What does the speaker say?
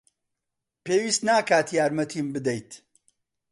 پێویست ناکات یارمەتیم بدەیت.